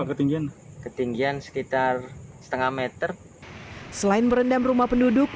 ketinggian ketinggian sekitar setengah meter selain merendam rumah penduduk